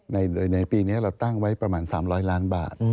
ในปีนี้เราตั้งไว้ประมาณ๓๐๐ล้านบาท